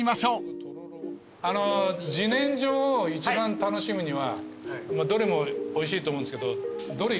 あの自然薯を一番楽しむにはどれもおいしいと思うんですけどどれ。